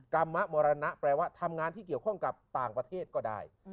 กรรมมรณะแปลว่าทำงานที่เกี่ยวข้องกับต่างประเทศก็ได้